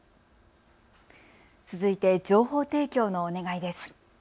続いて、情報提供のお願いです。